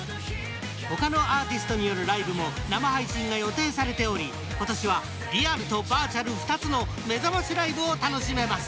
他のアーティストによるライブも生配信が予定されており今年は、リアルとバーチャル２つのめざましライブを楽しめます！